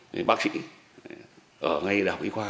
những tình tiết này được xem là